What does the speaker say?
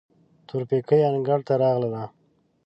تورپيکۍ انګړ ته راغله.